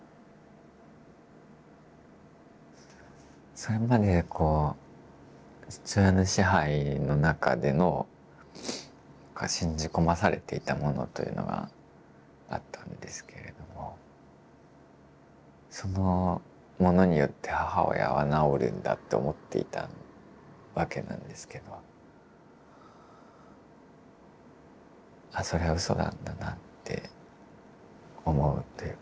それまでこう父親の支配の中での信じ込まされていたものというのがあったんですけれどもそのものによって母親は治るんだと思っていたわけなんですけどそれはうそなんだなって思うというか。